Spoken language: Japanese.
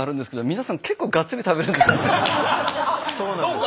そうなんですよ。